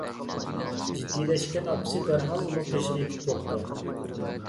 جىددىيلەشكەن ئاپىسى دەرھال ئۇنىڭ قېشىغا يېتىپ كەپتۇ.